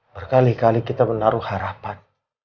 berkali kali kita menaruh harapan